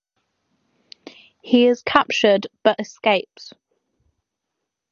He is captured but escapes.